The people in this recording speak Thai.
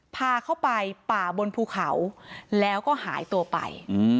พาเข้าไปป่าบนภูเขาแล้วก็หายตัวไป